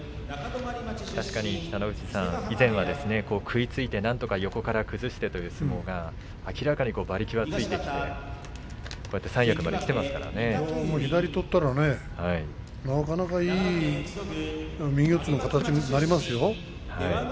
確かに北の富士さん以前は食いついてなんとか横から崩してという相撲が明らかに馬力がついてきてこうやって三役までもう左取ったらねなかなかいい右四つの形になりますよ。